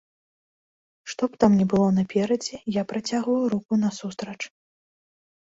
Што б там ні было наперадзе, я працягваю руку насустрач.